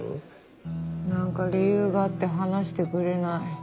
なんか理由があって話してくれない。